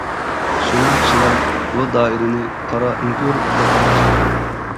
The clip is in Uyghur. شۇڭا كىشىلەر بۇ دائىرىنى «قارا ئۆڭكۈر» دەپ ئاتاشتى.